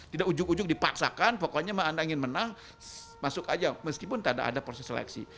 tidak ujung ujung dipaksakan pokoknya anda ingin menang masuk aja meskipun tidak ada proses seleksi